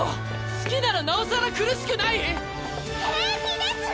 好きならなおさら苦しくない⁉平気です！